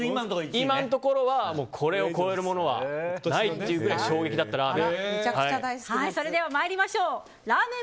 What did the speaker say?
今のところはこれを超えるものはないというぐらい衝撃だったラーメン。